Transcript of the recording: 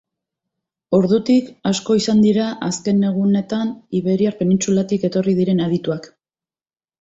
Ordutik asko izan dira azken egunetan Iberiar Penintsulatik etorri diren adituak.